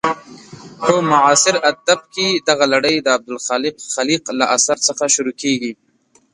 په معاصر ادب کې دغه لړۍ د عبدالخالق خلیق له اثر څخه شروع کېږي.